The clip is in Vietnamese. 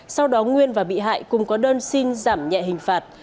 sau đó nguyên và bị hại cùng có đơn xin giảm nhẹ hình phạt